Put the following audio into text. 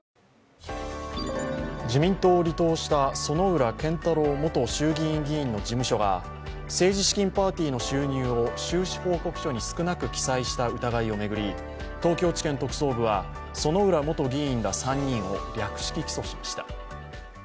薗浦健太郎元衆議院議員の事務所が政治資金パーティーの収入を収支報告書に少なく記載した疑いを巡り東京地検特捜部は薗浦元議員ら３人を略式起訴しました。